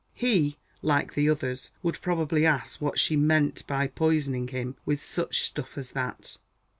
He, like the others, would probably ask what she "meant by poisoning him with such stuff as that."